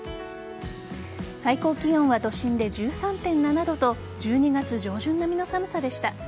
最高気温は都心で１３．７度と１２月上旬並みの寒さでした。